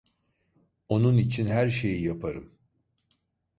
Onun için her şeyi yaparım.